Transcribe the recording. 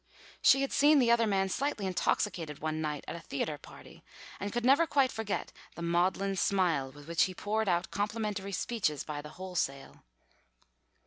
She had seen the other man slightly intoxicated one night at a theatre party, and could never quite forget the maudlin smile with which he poured out complimentary speeches by the wholesale.